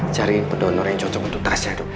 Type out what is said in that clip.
cari pendonor yang cocok untuk tasha